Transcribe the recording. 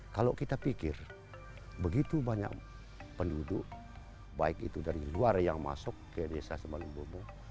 kalau kita pikir begitu banyak penduduk baik itu dari luar yang masuk ke desa sembalubo